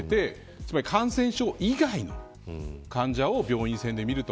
つまり感染症以外の患者を病院船でみるとか。